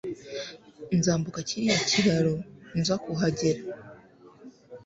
Nzambuka kiriya kiraro nza kuhagera.